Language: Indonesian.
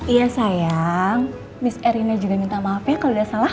iya sayang mis erina juga minta maaf ya kalau tidak salah